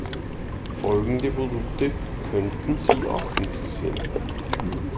Folgende Produkte könnten Sie auch interessieren.